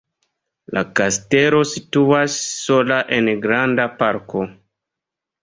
La kastelo situas sola en granda parko.